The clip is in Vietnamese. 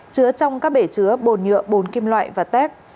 chứa trong các bể chứa bồn nhựa bồn kim loại và tét